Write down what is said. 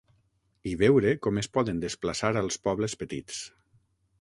I veure com es poden desplaçar als pobles petits.